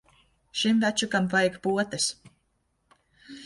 Šim večukam vajag potes.